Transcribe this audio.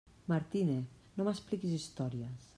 Martínez, no m'expliquis històries!